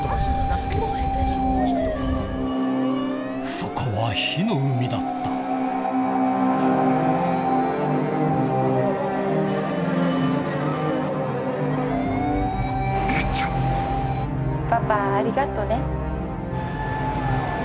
そこは火の海だったパパありがとね。